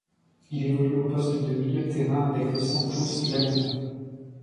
Il évolue au poste de milieu de terrain avec le Santos Laguna.